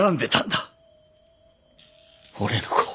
俺の子を。